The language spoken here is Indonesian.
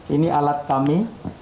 ini alat kami